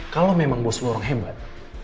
kalau memang bos lo orang hebat